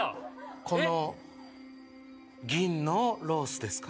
この銀のロースですか？